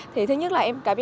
thì thứ nhất là em cảm xúc